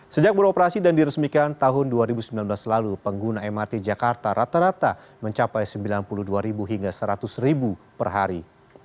sejak beroperasi dan diresmikan tahun dua ribu sembilan belas lalu pengguna mrt jakarta rata rata mencapai sembilan puluh dua hingga seratus per hari